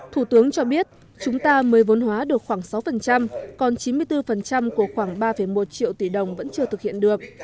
thủ tướng cho biết chúng ta mới vốn hóa được khoảng sáu còn chín mươi bốn của khoảng ba một triệu tỷ đồng vẫn chưa